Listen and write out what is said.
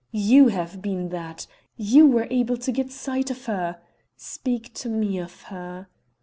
You have been that! You were able to get sight of her; speak to me of her!